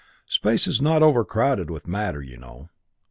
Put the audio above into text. Space is not overcrowded with matter, you know.